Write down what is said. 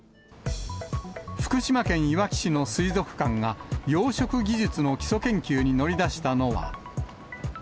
福島県いわき市の水族館が、養殖技術の基礎研究に乗り出したのは。